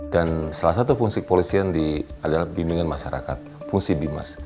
dan salah satu fungsi kepolisian adalah pembimbingan masyarakat fungsi bimas